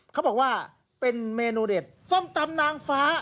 เขาบอกว่าเป็นเมนูเด็ดส้มตำนางฟ้า